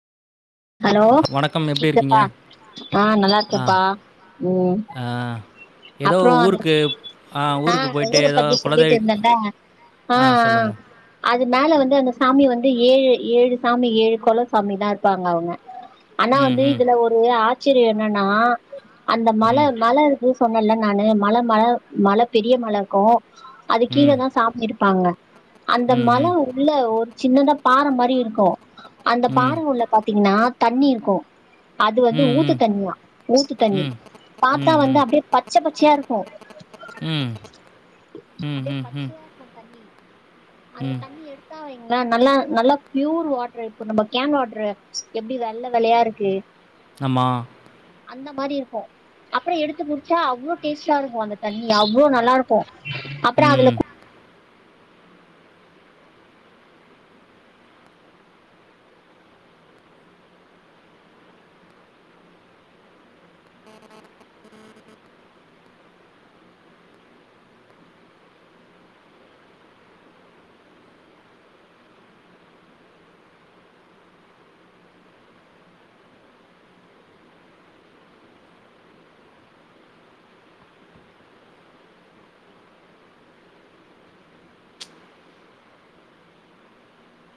Hello வணக்கம் எப்படி இருக்கீங்க? கேக்குதாப்பா ஆ நல்லா ஆ, இருக்கேப்பா உ ஆ ஏதோ அப்பறோ அத ஊருக்கு ஆ ஊருக்கு போயிட்டு ஊர ஏதோ பத்தி சொல்லிட்டு குலதெய் இருந்தேல்ல ஆ ஆ அது மேல வந்து அந்த சாமி வந்து ஏழு ஏழு சாமி ஏழு கொள சாமிதா இருப்பாங்க அவுங்க ஆனா ம், வந்து ம், இதுல ஒரு ஆச்சரிய என்னன்னா அந்த மலை ம், மழ அதுவு சொன்னேல நானு மல மல மல பெரிய மலருக்கு அது கீழ ம், தா சாமி இருப்பாங்க அந்த ம், ம், மல இல்ல ஒரு சின்னதா பாற மாரி இருக்கு அந்த பாற ம், உள்ள பாத்தீங்கன்னா தண்ணி இருக்கு அது வந்து ஊத்து ம், தண்ணியா ஊத்து ம், தண்ணி ம், ம், பாத்தா ம், வந்து அப்டி பச்ச பச்சயா இருக்கு ம், ம், அப்டியே ம், ம், பச்சையா இருக்கு தண்ணி அந்த ம், தண்ணி எடுத்தா வைங்களே நல்லா நல்லா ப்யூர் வாட்டெரு இப்போ நம்ம கேன் வாட்ரு எப்டி வெள்ள வெள்ளயா இருக்கு ஆமா அந்த மாரி இருக்கு அப்பறொ எடுத்து குடிச்சா அவ்ளோ டேஸ்ட்டா இருக்கு அந்த தண்ணி அவ்ளோ நல்லா இரு க்கு அப்றோ ம். அதுல